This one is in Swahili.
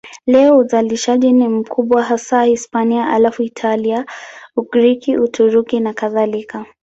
Leo uzalishaji ni mkubwa hasa Hispania, halafu Italia, Ugiriki, Uturuki nakadhalika.